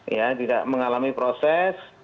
ya tidak mengalami proses